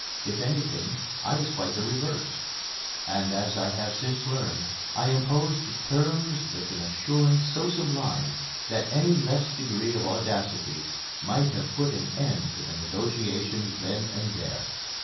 If anything, I was quite the reverse; and as I have since learned, I imposed terms with an assurance so sublime that any less degree of audacity might have put an end to the negotiations then and there.